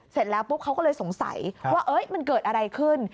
เสร็จแล้วปุ๊บเขาก็เลยสงสัยว่ามันเกิดอะไรขึ้น